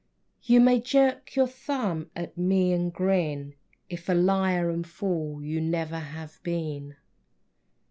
You may jerk your thumb at me and grin If liar and fool you never have been.